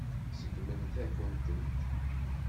Seggmen-akent-tent.